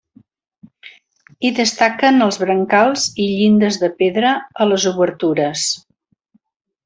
Hi destaquen els brancals i llindes de pedra a les obertures.